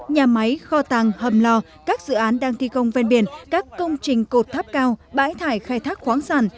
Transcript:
nhà máy kho tàng hầm lò các dự án đang thi công ven biển các công trình cột tháp cao bãi thải khai thác khoáng sản